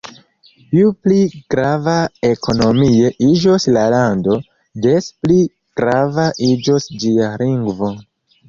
Ju pli grava ekonomie iĝos la lando, des pli grava iĝos ĝia lingvo.